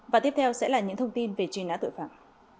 và tiếp theo sẽ là những thông tin về truy nã tội phạm